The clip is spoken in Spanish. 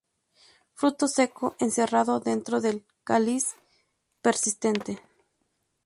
Fruto seco, encerrado dentro del cáliz persistente.